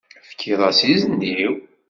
Tefkiḍ-as izen-iw?